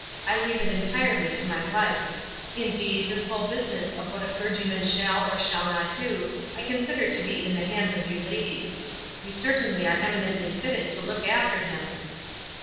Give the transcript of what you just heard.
I leave it en tirely to my wife. Indeed, this whole business of what a clerg3 7 man shall or shall not do I con sider to be in the hands of you ladies. You certainly are eminently fitted to look after him."